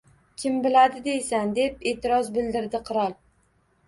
Kim biladi deysan, — deb e’tiroz bildirdi qirol.—